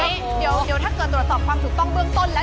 เอาอย่างนี้เดี๋ยวถ้าเกิดตรวจสอบความสุขต้องเบื้องต้นแล้ว